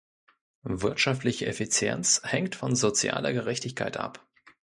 Wirtschaftliche Effizienz hängt von sozialer Gerechtigkeit ab.